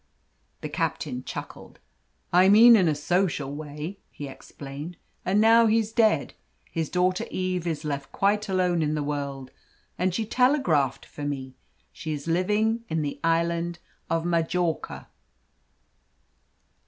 The captain chuckled. "I mean in a social way," he explained. "And now he's dead, his daughter Eve is left quite alone in the world, and she telegraphed for me. She is living in the Island of Majorca."